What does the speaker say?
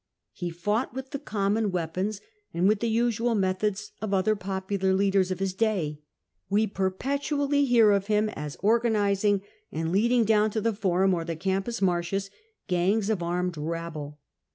He fought with the common weapons and with the usual methods of other popular leaders of his day. We perpetually hear of him as organising and leading down to the Forum or the Campus Martius gangs of armed rabble.